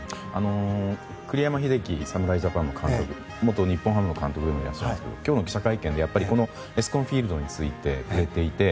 栗山英樹侍ジャパンの監督元日本ハムの監督でもいらっしゃいますけど今日の記者会見でエスコンフィールドについても触れていて。